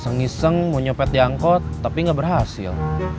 seng iseng mau nyopet diangkut tapi nggak berhasil